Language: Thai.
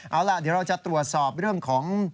เอาล่ะเดี๋ยวเราจะตรวจสอบเรื่องของ